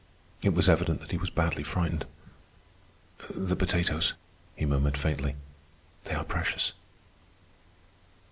It was evident that he was badly frightened. "The potatoes," he murmured faintly. "They are precious."